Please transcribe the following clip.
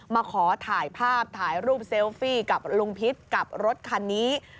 มาขอถ่ายภาพถ่ายรูปเซลฟี่กับลุงพิษกับรถคันนี้